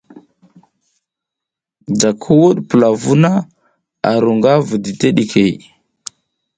Da ki wuɗ pula vuh na, a ru nga vu dideɗikey.